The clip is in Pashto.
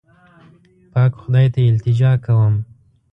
پاک خدای ته التجا کوم.